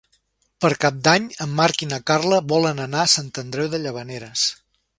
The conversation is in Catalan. Per Cap d'Any en Marc i na Carla volen anar a Sant Andreu de Llavaneres.